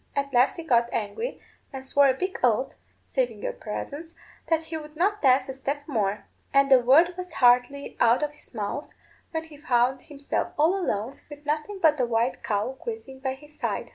At last he got angry, and swore a big oath, saving your presence, that he would not dance a step more; and the word was hardly out of his mouth when he found himself all alone, with nothing but a white cow grazing by his side."